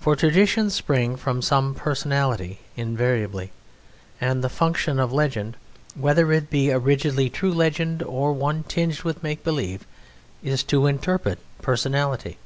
For traditions spring from some personality invariably, and the function of legend, whether it be a rigidly true legend or one tinged with make believe, is to interpret Personality.